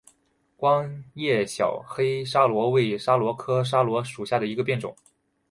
光叶小黑桫椤为桫椤科桫椤属下的一个变种。